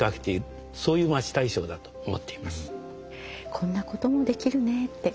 こんなこともできるねって